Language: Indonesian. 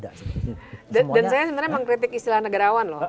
dan saya sebenarnya mengkritik istilah negarawan loh